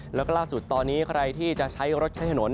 แล้วก็ล่าสุดตอนนี้ใครที่จะใช้รถใช้ถนน